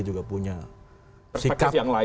juga punya sikap